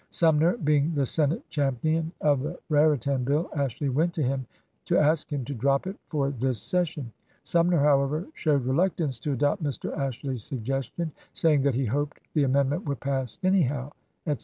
Sumner being the Senate champion of the Raritan bill, Ashley went to him to ask him to drop it for this session. Sumner, however, showed reluctance to adopt Mr. Ashley's suggestion, saying that he hoped the amendment would pass anyhow, etc.